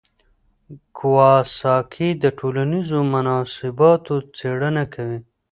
کواساکي د ټولنیزو مناسباتو څېړنه کوي.